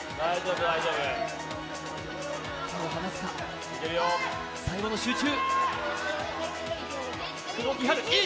手を離すか、最後の集中。